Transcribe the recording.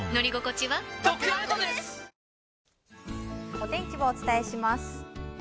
お天気をお伝えします。